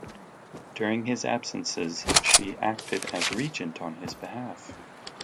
During his absences, she acted as regent on his behalf.